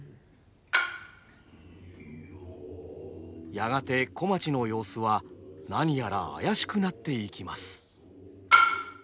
やがて小町の様子は何やらあやしくなっていきます。